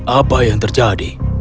apa yang terjadi